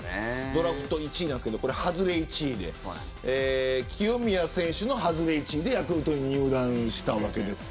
ドラフト１位ですが外れ１位で清宮選手の外れ１位でヤクルトに入団したわけです。